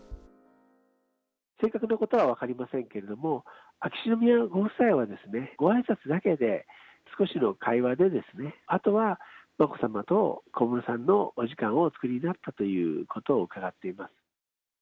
正確なことは分かりませんけれども、秋篠宮ご夫妻はごあいさつだけで、少しの会話で、あとは眞子さまと小室さんのお時間をお作りになったということを伺っています。